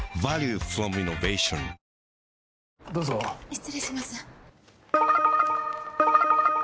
失礼します。